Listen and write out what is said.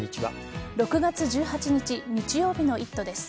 ６月１８日日曜日の「イット！」です。